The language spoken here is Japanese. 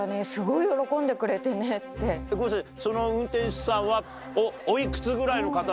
ごめんなさい。